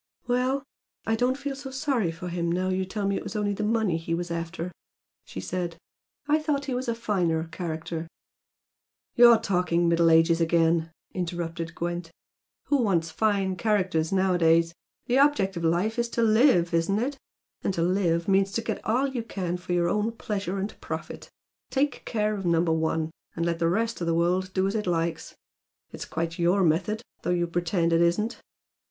"Well, I don't feel so sorry for him now you tell me it was only the money he was after" she said "I thought he was a finer character " "You're talking 'Middle Ages' again," interrupted Gwent "Who wants fine characters nowadays? The object of life is to LIVE, isn't it? And to 'live' means to get all you can for your own pleasure and profit, take care of Number One! and let the rest of the world do as it likes. It's quite YOUR method, though you pretend it isn't!"